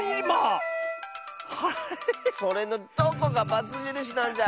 それのどこがバツじるしなんじゃ！